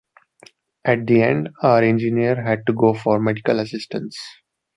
At the end, our engineer had to go for medical assistance.